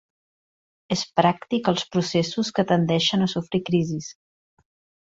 És pràctic als processos que tendeixen a sofrir crisis.